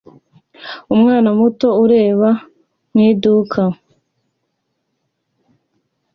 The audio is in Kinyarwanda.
Umwana muto ureba mu iduka